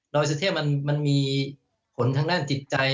อยสุเทพมันมีผลทางด้านจิตใจ